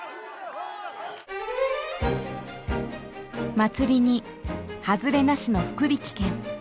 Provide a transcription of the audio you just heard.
祭りにハズレなしの福引券。